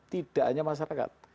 tidak hanya masyarakat